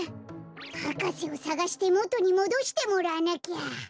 博士をさがしてもとにもどしてもらわなきゃ。